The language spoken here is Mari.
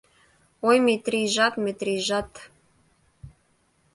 Ой, Метрийжат, Метрийжат